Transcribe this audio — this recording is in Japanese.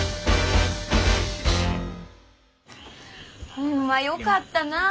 ホンマよかったなあ。